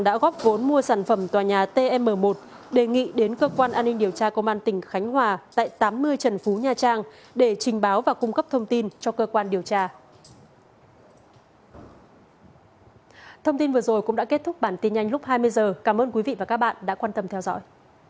trước đó vào tháng một mươi hai năm hai nghìn một mươi chín cơ quan an ninh điều tra công an tỉnh khánh hòa đã khởi tố bắt tạm giam nguyên tổ phần sông đài nha trang về hành vi lừa đảo chiếm đoạt tài sản